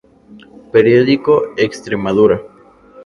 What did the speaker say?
Periódico Extremadura.